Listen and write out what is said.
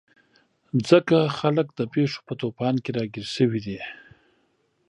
ځکه خلک د پېښو په توپان کې راګیر شوي دي.